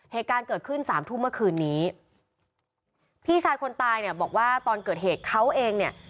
เหตุการณ์เกิดขึ้นสามทุ่มเมื่อคืนนี้พี่ชายคนตายเนี่ยบอกว่าตอนเกิดเหตุเขาเองเนี่ย